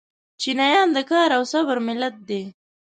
چینایان د کار او صبر ملت دی.